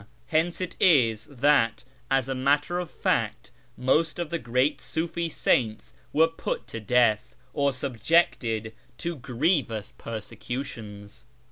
Hence it is that, as a matter of fact, most of the great Siifi saints were put to death, or subjected to grievous persecutions."